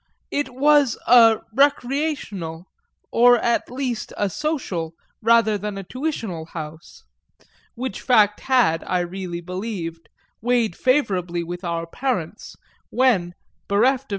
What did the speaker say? It was a recreational, or at least a social, rather than a tuitional house; which fact had, I really believe, weighed favourably with our parents, when, bereft of M.